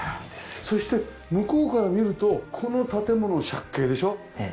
そして向こうから見るとこの建物借景でしょ。